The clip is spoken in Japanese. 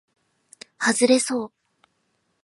はずれそう